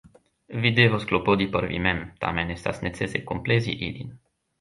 Vi devos klopodi por vi mem. Tamen estas necese komplezi ilin.